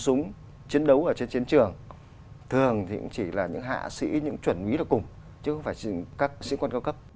súng chiến đấu ở trên chiến trường thường thì cũng chỉ là những hạ sĩ những chuẩn quý là cùng chứ không phải các sĩ quan cao cấp